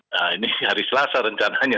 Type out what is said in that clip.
nah ini hari selasa rencananya